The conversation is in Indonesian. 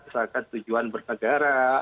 misalkan tujuan bernegara